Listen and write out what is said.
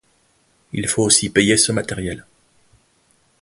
Il faut aussi payer ce matériel.